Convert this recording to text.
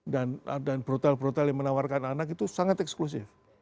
dan dan brothel brothel yang menawarkan anak itu sangat eksklusif